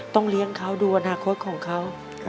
เลี้ยงเขาดูอนาคตของเขา